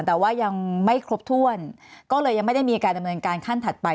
แต่ว่ายังไม่ครบถ้วนก็เลยยังไม่ได้มีการดำเนินการขั้นถัดไป